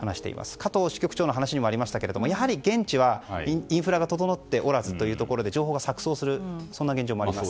加藤支局長の話にもありましたがやはり現地は、インフラが整っておらず情報が錯綜する現状もあります。